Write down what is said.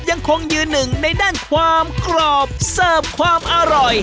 ยังคงยืนหนึ่งในด้านความกรอบเสิร์ฟความอร่อย